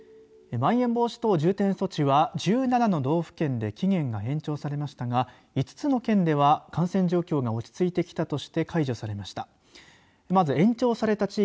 まん延防止等重点措置は１７の道府県で期限が延長されましたが５つの県では感染状況が落ち着いてきたとして解除されました。